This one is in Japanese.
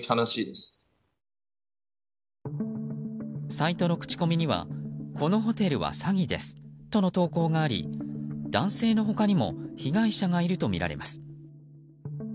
サイトの口コミにはこのホテルは詐欺ですとの投稿があり男性の他にも被害者がいるとみられます。